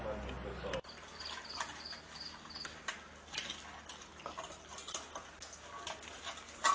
สวัสดีทุกคน